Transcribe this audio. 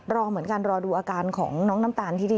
รอเหมือนกันรอดูอาการของน้องน้ำตาลที่ดี